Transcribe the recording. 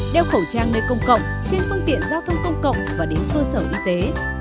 hai đeo khẩu trang nơi công cộng trên phương tiện giao thông công cộng và đến cơ sở y tế